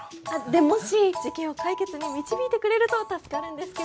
でもし事件を解決に導いてくれると助かるんですけど。